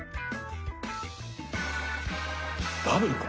ダブルか。